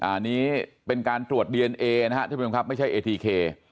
อันนี้เป็นการตรวจดีเอนเอนะครับท่านผู้ชมครับไม่ใช่เอทีเค